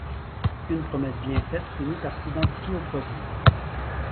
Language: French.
Une promesse bien faite finit par s'identifier au produit.